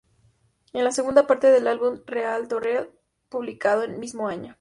Es la segunda parte del álbum "Real to Reel", publicado el mismo año.